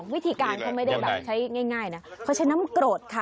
วิธีการเขาไม่ได้แบบใช้ง่ายนะเขาใช้น้ำกรดค่ะ